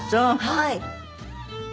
はい！